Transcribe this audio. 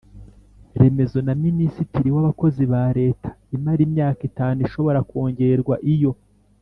Remezo Na Minisitiri W Abakozi Ba Leta Imara Imyaka Itanu Ishobora Kongerwa Iyo